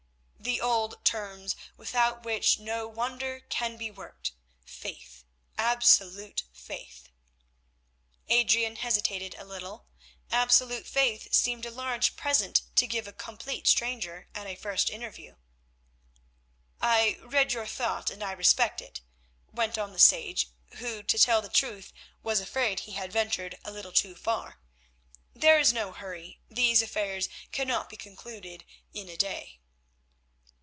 "The old terms, without which no wonder can be worked—faith, absolute faith." Adrian hesitated a little. Absolute faith seemed a large present to give a complete stranger at a first interview. "I read your thought and I respect it," went on the sage, who, to tell truth, was afraid he had ventured a little too far. "There is no hurry; these affairs cannot be concluded in a day."